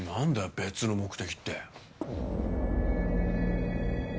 別の目的って。